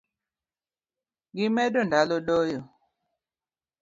Gimedo ndalo doyo